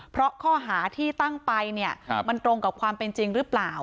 เพราะข้อหาที่ตั้งไปเนี่ยมันตรงกับความเป็นจริงหรือเปล่า